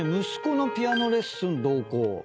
息子のピアノレッスン同行。